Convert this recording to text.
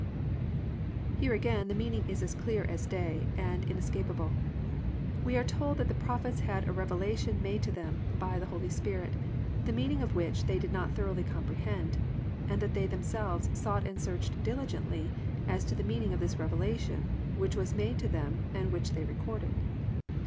"+ Here again the meaning is as clear as day and inescapable. We are told that the prophets had a revelation made to them by the Holy Spirit, the meaning of which they did not thoroughly comprehend, and that they themselves "sought and searched diligently" as to the meaning of this revelation which was made to them and which they recorded.